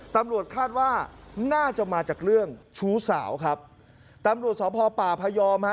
ตำรวจคาดว่าน่าจะมาจากเรื่องชู้สาวครับตำรวจสพป่าพยอมฮะ